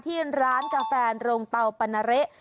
ที่ร้านกาแฟโรงเตาปานาเละ